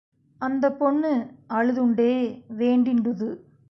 அந்தப் பொண்ணு அழுதுண்டே வேண்டிண்டுது.